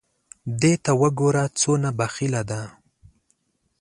دې ته وګوره څونه بخیله ده !